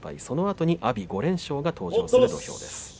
そのあとに阿炎、５連勝が登場する土俵です。